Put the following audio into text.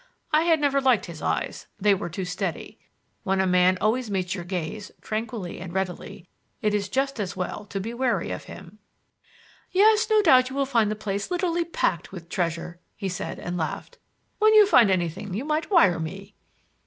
I had never liked his eyes; they were too steady. When a man always meets your gaze tranquilly and readily, it is just as well to be wary of him. "Yes; no doubt you will find the place literally packed with treasure," he said, and laughed. "When you find anything you might wire me."